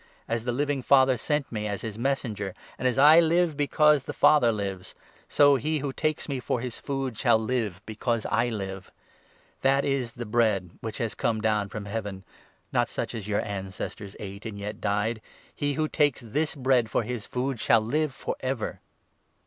As the Living Father sent me as his Messenger, and as I live because the Father lives, so he who takes me for his food shall live because I live. That is the Bread which has come down from Heaven — not such as your ancestors ate, and yet died ; he who takes this Bread for his food shall live for ever."